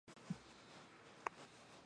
格伦是大臣的高级特别顾问。